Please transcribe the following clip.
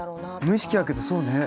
無意識やけどそうね。